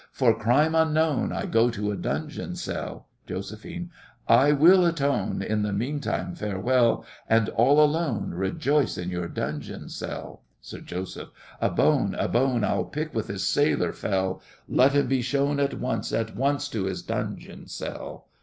For crime unknown I go to a dungeon cell. JOS. I will atone. In the meantime farewell! And all alone Rejoice in your dungeon cell! SIR JOSEPH. A bone, a bone I'll pick with this sailor fell; Let him be shown at once At once to his dungeon cell.